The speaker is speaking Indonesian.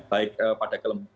baik pada kelemahan